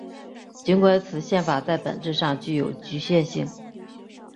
尽管此宪法在本质上具有局限性。